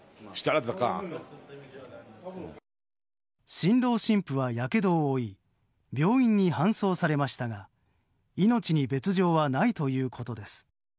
新郎新婦はやけどを負い病院に搬送されましたが命に別条はないということです。